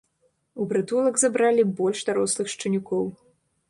У прытулак забралі больш дарослых шчанюкоў.